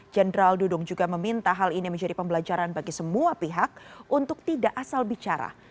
jenderal dudung juga meminta hal ini menjadi pembelajaran bagi semua pihak untuk tidak asal bicara